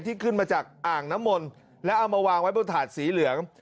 ขึ้นมาจากอ่างน้ำมนต์แล้วเอามาวางไว้บนถาดสีเหลือง